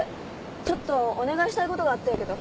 ちょっとお願いしたいことがあっとやけど。